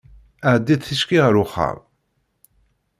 Ɛeddi-d ticki ar uxxam!